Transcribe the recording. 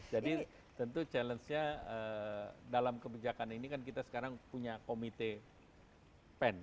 jadi tentu challenge nya dalam kebijakan ini kan kita sekarang punya komite pen